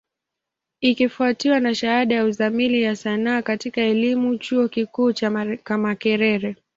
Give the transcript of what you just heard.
Ikifwatiwa na shahada ya Uzamili ya Sanaa katika elimu, chuo kikuu cha Makerere.